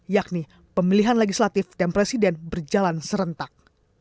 yakni pemilihan legislatif dan presiden berjalan serentak